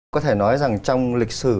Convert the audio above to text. có thể nói rằng trong lịch sử